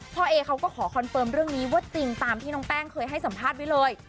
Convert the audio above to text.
เอเขาก็ขอคอนเฟิร์มเรื่องนี้ว่าจริงตามที่น้องแป้งเคยให้สัมภาษณ์ไว้เลย